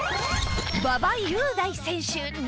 馬場雄大選手